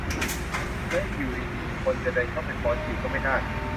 และอยู่ดีดีคนจะเดินเข้าไปขอฉีดก็ไม่ได้